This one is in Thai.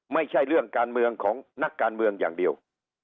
ไม่ใช่เรื่องการเมืองของนักการเมืองอย่างเดียว